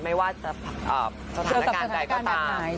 ไม่ว่าจะสถานการณ์ใดก็ตาม